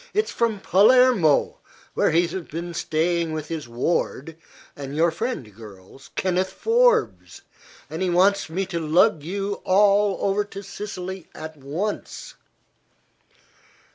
"It's from Palermo, where he has been staying with his ward and your friend, girls Kenneth Forbes, and he wants me to lug you all over to Sicily at once."